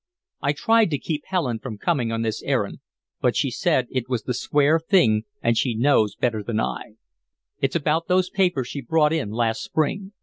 I tried to keep Helen from coming on this errand, but she said it was the square thing and she knows better than I. It's about those papers she brought in last spring.